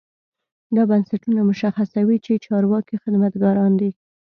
دا بنسټونه مشخصوي چې چارواکي خدمتګاران دي.